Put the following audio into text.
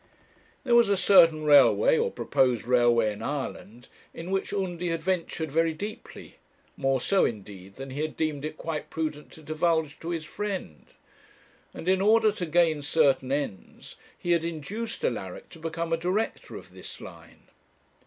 There was a certain railway or proposed railway in Ireland, in which Undy had ventured very deeply, more so indeed than he had deemed it quite prudent to divulge to his friend; and in order to gain certain ends he had induced Alaric to become a director of this line.